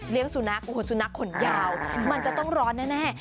สุนัขโอ้โหสุนัขขนยาวมันจะต้องร้อนแน่